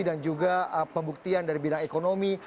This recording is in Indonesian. dan juga pembuktian dari bidang ekonomi